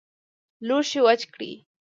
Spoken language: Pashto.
لوښي وچ کړئ